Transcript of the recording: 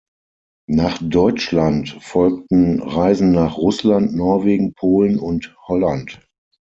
Nach Deutschland folgten Reisen nach Russland, Norwegen, Polen und Holland.